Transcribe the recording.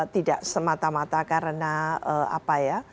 tidak semata mata karena apa ya